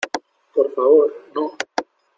por favor, no.